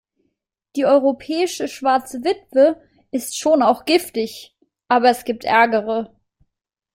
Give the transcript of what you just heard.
Die Europäische Schwarze Witwe ist schon auch giftig, aber es gibt ärgere.